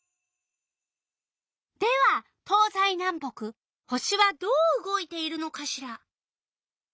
では東西南北星はどう動いているのかしら？